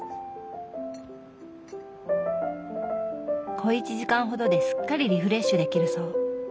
小一時間ほどですっかりリフレッシュできるそう。